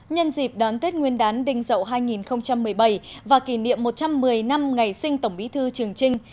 nhân dịp đón tết nguyên đán đình dậu hai nghìn một mươi bảy và kỷ niệm một trăm một mươi năm ngày sinh tổng bí thư trường trinh